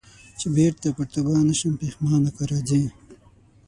چي بیرته پر توبه نه سم پښېمانه که راځې